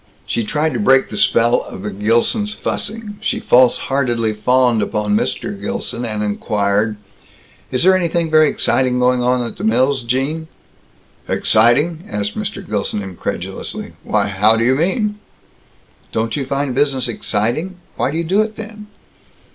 She tried to break the spell of the Gilsons' fussing. She false heartedly fawned upon Mr. Gilson, and inquired: "Is there anything very exciting going on at the mills, Gene?" "Exciting?" asked Mr. Gilson incredulously. "Why, how do you mean?" "Don't you find business exciting? Why do you do it then?"